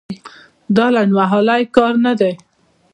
دا لنډمهالی کار نه دی.